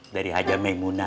dari hajame munar